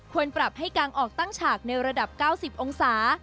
ควรปรับให้กางออกตั้งฉากในระดับ๙๐องศา